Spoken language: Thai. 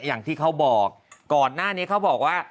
อย่างที่เขาบอกก่อนหน้านี้เขาบอกว่า